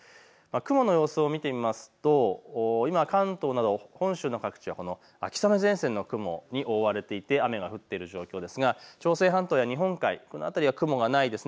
雲の様子を見てみると今、関東など本州の各地は秋雨前線の雲に覆われていて雨が降っている状況ですが朝鮮半島や日本海、この辺りは雲がないです。